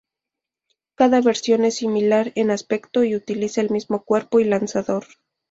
Cada versión es similar en aspecto y utiliza el mismo cuerpo y lanzador.